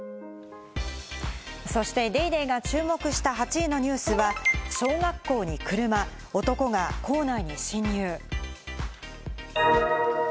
そして『ＤａｙＤａｙ．』が注目した８位のニュースは小学校に車、男が校内に侵入。